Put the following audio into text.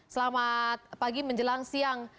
selamat pagi menjelang siang